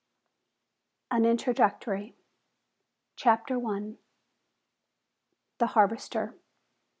_ An Introductory. CHAPTER I. "The Harvester."